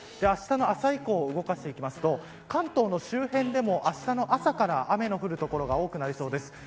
あしたの朝以降動かしていくと関東の周辺でも、あしたの朝から雨の降る所が多くなりそうです。